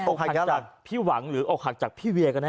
หักจากพี่หวังหรือออกหักจากพี่เวียกันแ